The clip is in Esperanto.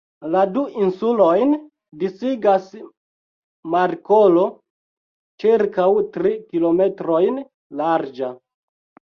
La du insulojn disigas markolo ĉirkaŭ tri kilometrojn larĝa.